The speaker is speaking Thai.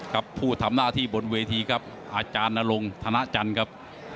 ผู้ทำหน้าที่บนเวทีครับอาจารย์นรงธนจันทร์ครับ